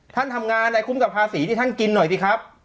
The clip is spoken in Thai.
ท่านทำงานอะไรคุ้มกับภาษีที่ท่านกินหน่อยสิครับ